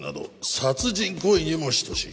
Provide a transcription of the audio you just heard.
殺人行為にも等しい